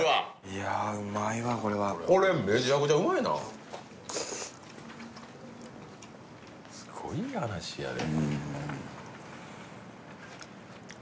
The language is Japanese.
いやうまいわこれはこれめちゃくちゃうまいなすごい話やで